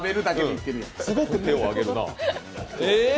すごく手を挙げるな。